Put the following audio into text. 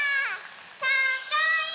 かっこいい！